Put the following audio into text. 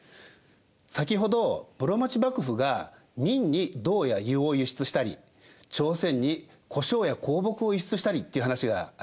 先ほど室町幕府が明に銅や硫黄を輸出したり朝鮮に胡椒や香木を輸出したりっていう話がありましたよね。